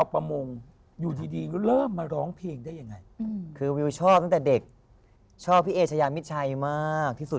ประกวดทุกเวที